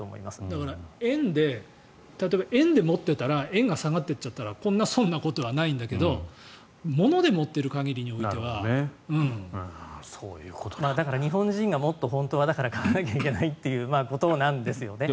だから円で持ってたら円が下がってっちゃったらそんなことはないんだけど物で持っている限りにおいては。日本人がもっと本当は買わなきゃいけないということなんですね。